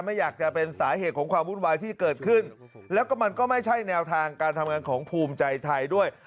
ไม่อยากจะเป็นสาเหตุของความวุ่นวายที่เกิดขึ้นแล้วก็มันก็ไม่ใช่แนวทางการทำงานของภูมิใจไทยด้วย